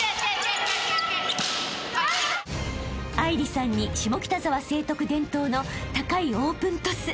［愛梨さんに下北沢成徳伝統の高いオープントス！